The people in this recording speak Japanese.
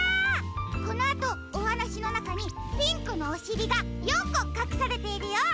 このあとおはなしのなかにピンクのおしりが４こかくされているよ。